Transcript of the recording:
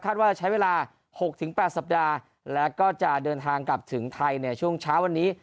ว่าใช้เวลา๖๘สัปดาห์แล้วก็จะเดินทางกลับถึงไทยในช่วงเช้าวันนี้